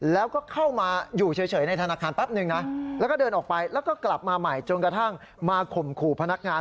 แล้วก็เดินออกไปแล้วก็กลับมาใหม่จนกระทั่งมาข่มขู่พนักงาน